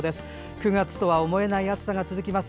９月とは思えない暑さが続きます。